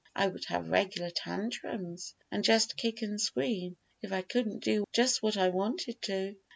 I would have regular tantrums, and just kick and scream if I couldn't do just what I wanted to.